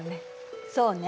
そうね。